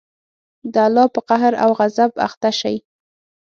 د الله په قهر او غصب اخته شئ.